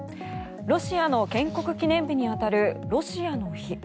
ロシアの建国記念日に当たるロシアの日。